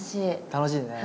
楽しいね。